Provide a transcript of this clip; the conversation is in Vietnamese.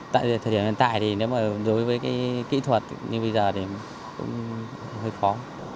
tại thời điểm hiện tại thì nếu mà đối với cái kỹ thuật như bây giờ thì cũng hơi khó